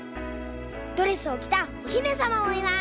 ドレスをきたおひめさまもいます。